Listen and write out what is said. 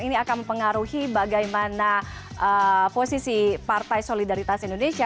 ini akan mempengaruhi bagaimana posisi partai solidaritas indonesia